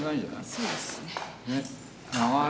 そうですねはい。